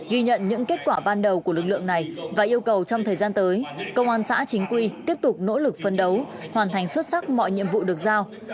ghi nhận những kết quả ban đầu của lực lượng này và yêu cầu trong thời gian tới công an xã chính quy tiếp tục nỗ lực phân đấu hoàn thành xuất sắc mọi nhiệm vụ được giao